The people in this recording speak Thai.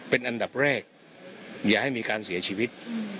เป็นอันดับแรกอย่าให้มีการเสียชีวิต